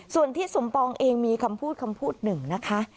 ส่วนทิศสมปองเองมีคำพูดคำพูดหนึ่งนะคะ